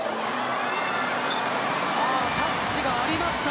タッチはありました。